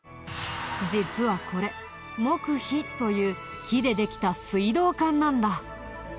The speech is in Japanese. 実はこれ木樋という木でできた水道管なんだ。